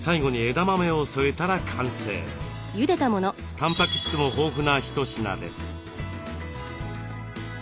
たんぱく質も豊富な一品です。